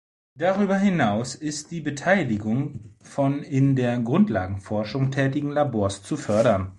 Darüber hinaus ist die Beteiligung von in der Grundlagenforschung tätigen Labors zu fördern.